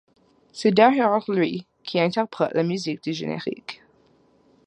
C’est d’ailleurs lui qui interprète la musique du générique.